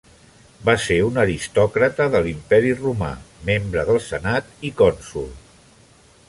Va ser un aristòcrata de l'Imperi Romà, membre del Senat i Cònsol.